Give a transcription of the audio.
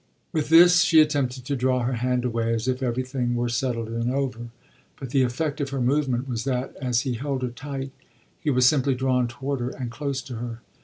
With this she attempted to draw her hand away, as if everything were settled and over; but the effect of her movement was that, as he held her tight, he was simply drawn toward her and close to her.